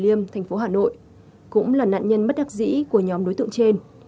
liêm thành phố hà nội cũng là nạn nhân bất đắc dĩ của nhóm đối tượng trên